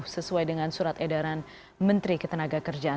sesuai dengan surat edaran menteri ketenagakerjaan